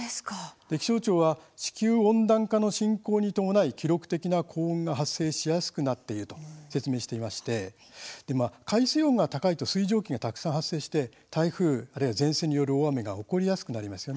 気象庁は地球温暖化の進行に伴い記録的な高温が発生しやすくなっていると説明していて海水温が高いと水蒸気がたくさん発生して台風や前線による大雨が起こりやすくなっています。